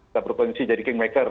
berpotensi jadi kingmaker